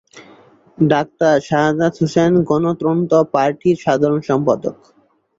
Doctor Shahadat Hossain গণতন্ত্র পার্টির সাধারণ সম্পাদক।